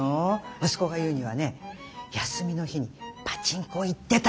息子が言うにはね休みの日にパチンコ行ってたって。